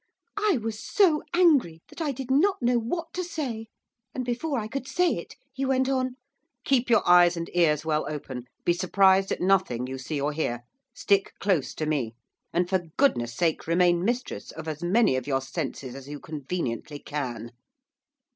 I was so angry that I did not know what to say, and before I could say it he went on. 'Keep your eyes and ears well open; be surprised at nothing you see or hear. Stick close to me. And for goodness sake remain mistress of as many of your senses as you conveniently can.